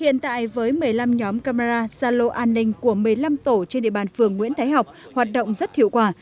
hiện tại với một mươi năm nhóm camera gia lô an ninh của một mươi năm tổ trên địa bàn phường nguyễn thái học hoạt động rất hiệu quả